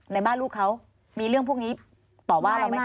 ในบ้านลูกเขามีเรื่องพวกนี้ต่อว่าเราไหมคะ